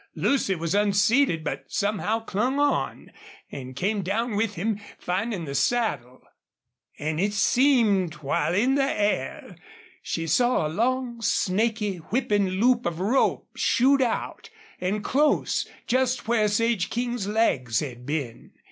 Lucy was unseated, but somehow clung on, and came down with him, finding the saddle. And it seemed, while in the air, she saw a long, snaky, whipping loop of rope shoot out and close just where Sage King's legs had been.